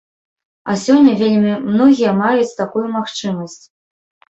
А сёння вельмі многія маюць такую магчымасць.